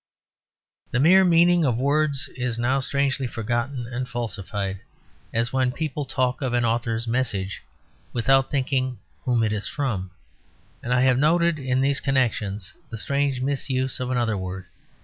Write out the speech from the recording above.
The mere meaning of words is now strangely forgotten and falsified; as when people talk of an author's "message," without thinking whom it is from; and I have noted in these connections the strange misuse of another word.